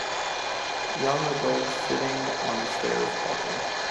Young adults sitting on the stairs talking.